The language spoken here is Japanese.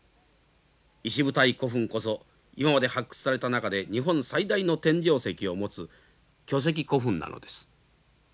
石舞台古墳こそ今まで発掘された中で日本最大の天井石を持つ巨石古墳なのです。